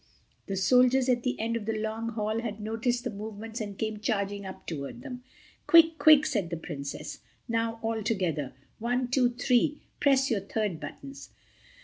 The soldiers at the end of the long hall had noticed the movements and came charging up toward them. "Quick, quick!" said the Princess, "now—altogether. One, two, three. Press your third buttons."